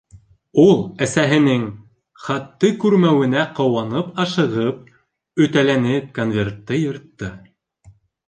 Ул, әсәһенең хатты күрмәүенә ҡыуанып, ашығып, өтәләнеп конвертты йыртты.